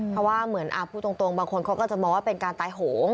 เพราะว่าเหมือนพูดตรงบางคนเขาก็จะมองว่าเป็นการตายโหง